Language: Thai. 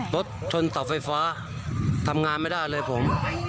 รถชนเสาไฟฟ้าทำงานไม่ได้เลยผม